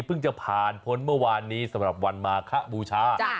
เพิ่งจะผ่านพ้นเมื่อวานนี้สำหรับวันมาคบูชา